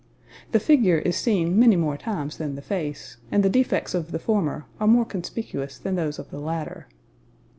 The figure is seen many more times than the face, and the defects of the former are more conspicuous than those of the latter.